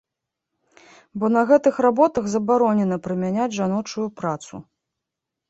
Бо на гэтых работах забаронена прымяняць жаночую працу.